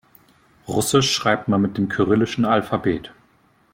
Russisch schreibt man mit dem kyrillischen Alphabet.